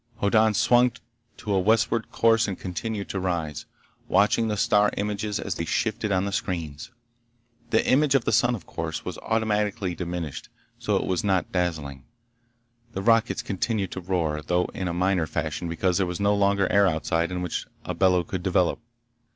Hoddan swung to a westward course and continued to rise, watching the star images as they shifted on the screens. The image of the sun, of course, was automatically diminished so that it was not dazzling. The rockets continued to roar, though in a minor fashion because there was no longer air outside in which a bellow could develop.